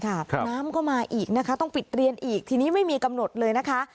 น้ำก็มาอีกนะคะต้องปิดเรียนอีกทีนี้ไม่มีกำหนดเลยนะคะ